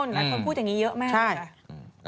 คนพูดอย่างนี้เยอะมาก